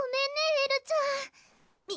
エルちゃんみ